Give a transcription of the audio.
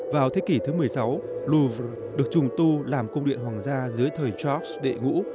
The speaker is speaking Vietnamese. vào thế kỷ thứ một mươi sáu louv được trùng tu làm cung điện hoàng gia dưới thời chops đệ ngũ